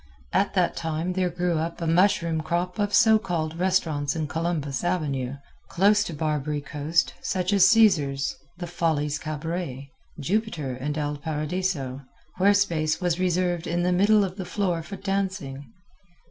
At that time there grew up a mushroom crop of so called restaurants in Columbus avenue close to Barbary Coast such as Caesar's, the Follies Cabaret, Jupiter and El Paradiso, where space was reserved in the middle of the floor for dancing.